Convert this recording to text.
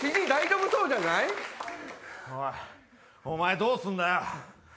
お前どうすんだよ？